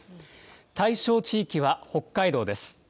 対象地域は北海道です。